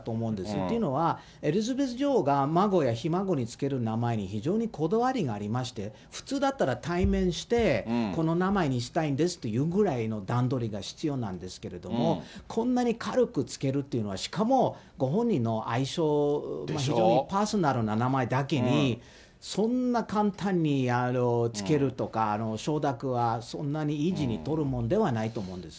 っていうのは、エリザベス女王が孫やひ孫に付ける名前に非常にこだわりがありまして、普通だったら対面して、この名前にしたいですっていうぐらいの段取りが必要なんですけれども、こんなに軽く付けるっていうのは、しかも、ご本人の愛称、非常にパーソナルな名前だけに、そんな簡単に付けるとか、承諾はそんなにイージーに取るもんではないと思うんですの。